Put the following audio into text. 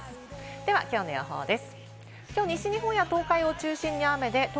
ではきょうの予報です。